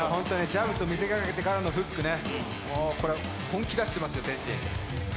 ジャブと見せかけてからのフック、これ、本気出してますよ、天心。